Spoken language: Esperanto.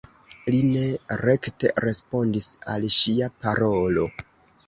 Li ne rekte respondis al ŝia parolo.